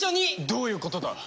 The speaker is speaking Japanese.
どういうことだ？